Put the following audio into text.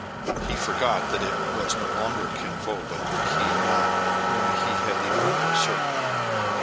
He forgot that it was no longer Kin Fo, but Ki Nan, whom he had the honor of serving.